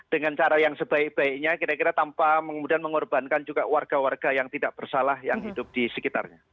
dengan cara yang sebaik baiknya kira kira tanpa kemudian mengorbankan juga warga warga yang tidak bersalah yang hidup di sekitarnya